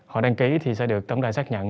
họ đăng ký thì sẽ được tổng đài xác nhận